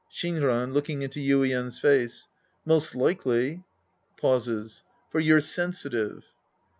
Shinran {looking into Yuien's face). Most likely. {Pause;.) For you're sensitive.